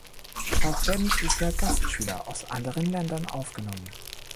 Auch werden jedes Jahr Gastschüler aus anderen Ländern aufgenommen.